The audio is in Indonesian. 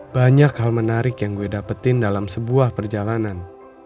banyak hal menarik yang gue dapetin dalam sebuah perjalanan